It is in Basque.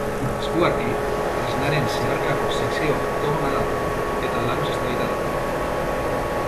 Eskuarki, tresnaren zeharkako sekzioa oktogonala da, eta larruz estalita dago.